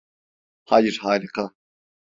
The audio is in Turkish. Hayır, harika.